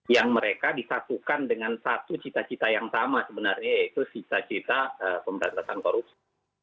yang mereka disatukan dengan satu cita cita yang sama sebenarnya yaitu cita cita pemberantasan korupsi